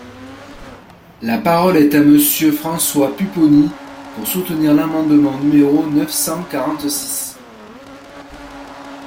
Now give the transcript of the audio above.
La parole est à Monsieur François Pupponi, pour soutenir l’amendement numéro neuf cent quarante-six.